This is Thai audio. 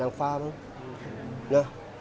โดยไอ้มัน